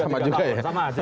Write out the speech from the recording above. sama juga ya